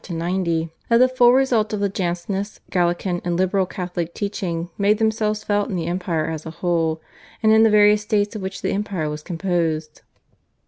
(1765 90), that the full results of the Jansenist, Gallican, and Liberal Catholic teaching made themselves felt in the empire as a whole, and in the various states of which the empire was composed.